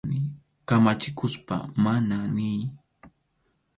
Kamachikuspa «mana» niy.